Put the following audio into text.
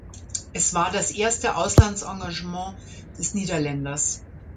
Es war das erste Auslandsengagement des Niederländers.